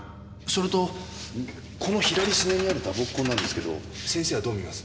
それとこの左スネにある打撲痕なんですけど先生はどう見ます？